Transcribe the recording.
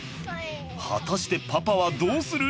果たしてパパはどうする？